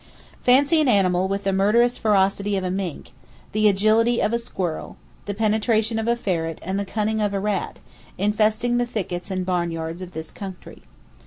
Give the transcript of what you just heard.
Fancy an animal with the murderous ferocity of a mink, the agility of a squirrel, the penetration of a ferret and the cunning of a rat, infesting the thickets and barnyards of this country.